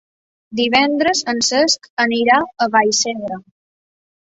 Divendres en Cesc anirà a Vallcebre.